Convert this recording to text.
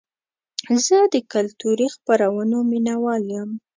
زه د کلتوري خپرونو مینهوال یم.